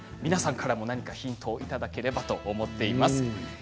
皆さんからもヒントをいただければと思っています。